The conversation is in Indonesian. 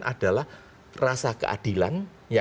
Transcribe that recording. adalah rasa keadilan